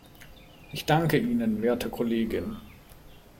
Ich danke Ihnen, werte Kollegin.